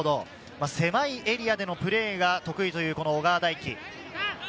狭いエリアでのプレーが得意だという小川大輝。